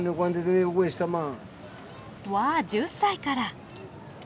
わ１０歳から。